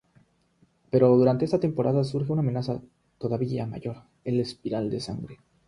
Pero durante esta temporada surge una amenaza todavía mayor, el Espiral de Sangre.